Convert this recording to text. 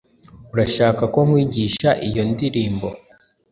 Urashaka ko nkwigisha iyo ndirimbo?